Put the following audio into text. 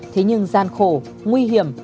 thế nhưng gian khổ nguy hiểm